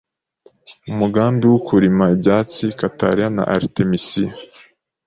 umugambi w'ukurima ibyatsi, cataria na Artemisia